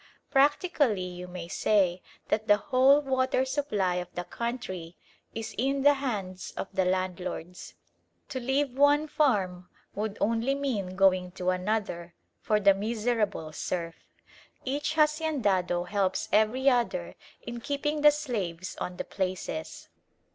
Practically you may say that the whole water supply of the country is in the hands of the landlords. To leave one farm would only mean going to another for the miserable serf. Each haciendado helps every other in keeping the slaves on the places.